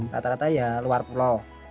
rata rata ya luar pulau